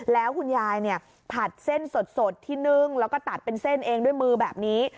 แล้วคุณยายเนี่ยผัดเส้นสดที่นึ่งแล้วก็ตัดเป็นเส้นเองด้วยมือแบบนี้